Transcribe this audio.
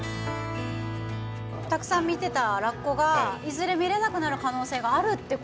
たくさん見てたラッコがいずれ見れなくなる可能性があるってことですか？